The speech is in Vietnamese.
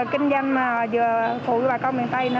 kinh doanh vừa phụ bà con miền tây